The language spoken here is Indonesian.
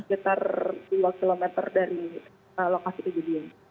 sekitar dua km dari lokasi kejadian